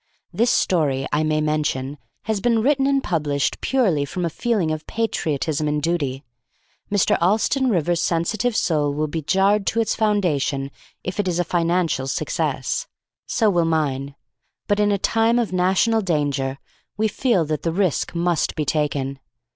This story, I may mention, has been written and published purely from a feeling of patriotism and duty. Mr. Alston Rivers' sensitive soul will be jarred to its foundations if it is a financial success. So will mine. But in a time of national danger we feel that the risk must be taken.